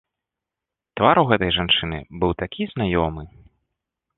Твар у гэтай жанчыны быў такі знаёмы!